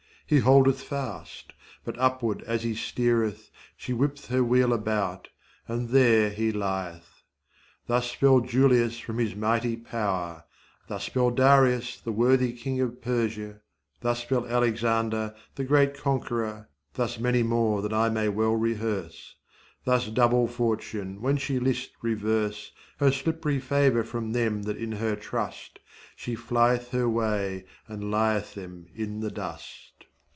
He holdeth fast; but upward as he sty'th, She whipp'th her wheel about, and there he li'th. Thus fell Julius from his mighty power,11 Thus fell Darius, the worthy king of Perse,12 Thus fell Alexander, the great conqueror,13 Thus many more than I may well rehearse.14 Thus double15 Fortune, when she list reverse Her slipp'ry favour from them that in her trust, She fli'th her way and li'th them in the dust.